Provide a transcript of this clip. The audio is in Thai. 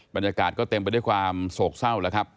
บรรยากาศก็เต็มไปด้วยความโศกเศร้าแล้วครับ